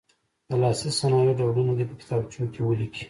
د لاسي صنایعو ډولونه دې په کتابچو کې ولیکي.